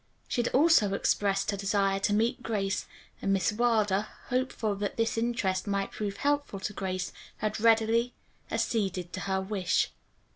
She had also expressed her desire to meet Grace, and Miss Wilder, hopeful that this interest might prove helpful to Grace, had readily acceded to her wish.